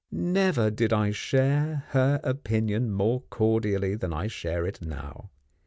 Never did I share her opinion more cordially than I share it now.